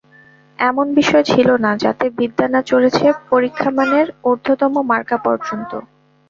এমন বিষয় ছিল না যাতে বিদ্যা না চড়েছে পরীক্ষামানের ঊর্ধ্বতম মার্কা পর্যন্ত।